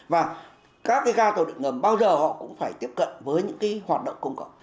và các cái ga tàu điện ngầm bao giờ họ cũng phải tiếp cận với những cái hoạt động công cộng